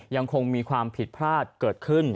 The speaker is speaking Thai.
ยังคงมีความผิดพลาดเกิดขึ้น